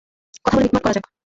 কথা বলে মিটমাট করা যাক!